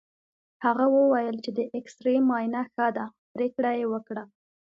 هغه وویل چې د اېکسرې معاینه ښه ده، پرېکړه یې وکړه.